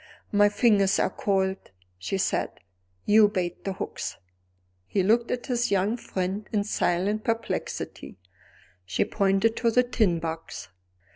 "My fingers are cold," she said; "you bait the hooks." He looked at his young friend in silent perplexity; she pointed to the tin box.